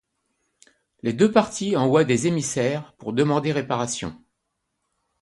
Les deux parties envoient des émissaires pour demander réparation.